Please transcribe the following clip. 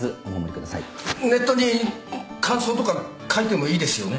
ネットに感想とか書いてもいいですよね？